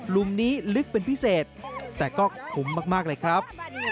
มุมนี้ลึกเป็นพิเศษแต่ก็คุ้มมากเลยครับ